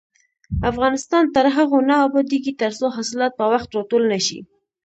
افغانستان تر هغو نه ابادیږي، ترڅو حاصلات په وخت راټول نشي.